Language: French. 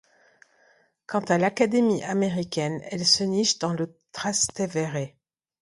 Quant à l'Académie Américaine, elle se niche dans le Trastevere.